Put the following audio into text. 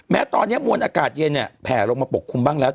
แม้ตอนนี้มวลอากาศเย็นเนี่ย